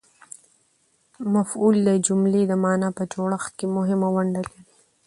مفعول د جملې د مانا په جوړښت کښي مهمه ونډه لري.